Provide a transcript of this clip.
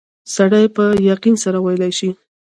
سړی په یقین سره ویلای شي.